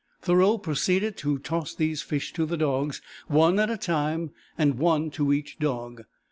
Thoreau proceeded to toss these fish to the dogs, one at a time, and one to each dog.